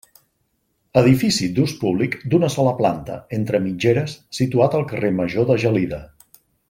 Edifici d'ús públic d'una sola planta, entre mitgeres, situat al carrer Major de Gelida.